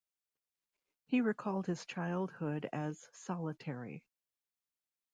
He recalled his childhood as "solitary".